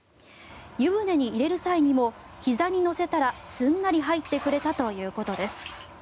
湯船に入れる際にもひざに乗せたらすんなり入ってくれたということです。